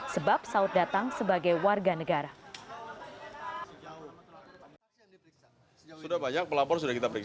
sebab saud datang sebagai warga negara